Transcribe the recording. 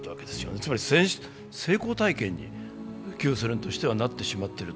つまり成功体験に旧ソ連としてはなってしまっていると。